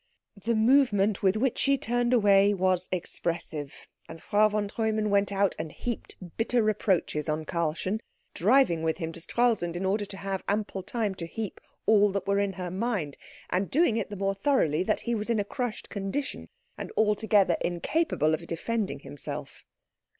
The movement with which she turned away was expressive; and Frau von Treumann went out and heaped bitter reproaches on Karlchen, driving with him to Stralsund in order to have ample time to heap all that were in her mind, and doing it the more thoroughly that he was in a crushed condition and altogether incapable of defending himself.